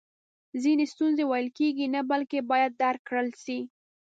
ځینې ستونزی ویل کیږي نه بلکې باید درک کړل سي